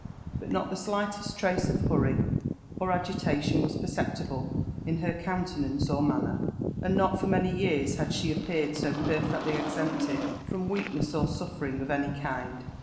But not the slightest trace of hurry or agitation was perceptible in her countenance or manner, and not for many years had she appeared so |]erfectly exempted from weakness or suffering of any kind.